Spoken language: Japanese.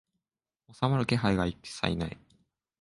収まる気配が一切ない